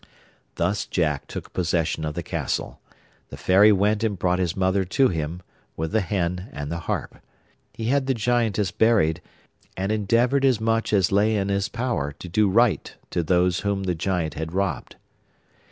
Thus Jack took possession of the castle. The Fairy went and brought his mother to him, with the hen and the harp. He had the Giantess buried, and endeavoured as much as lay in his power to do right to those whom the Giant had robbed.